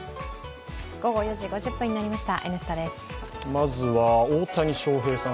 まずは、大谷翔平さん